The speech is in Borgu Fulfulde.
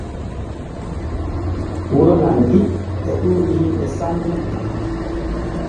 Wuro Nangi e ɗuuɗi himɓe sanne.